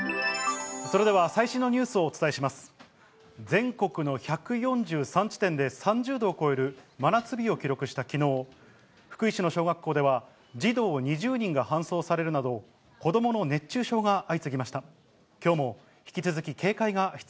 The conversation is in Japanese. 全国の１４３地点で３０度を超える真夏日を記録したきのう、福井市の小学校では、児童２０人が搬送されるなど、子どもの熱中症が相次ぎました。